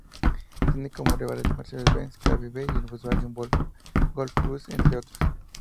Tiene como rivales al Mercedes-Benz Clase B y el Volkswagen Golf Plus entre otros.